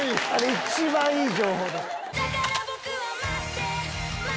一番いい情報。